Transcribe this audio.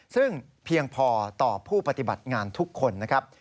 ซึ่งเพียงพอต่อผู้ปฏิบัติงานทุกคนนะครับ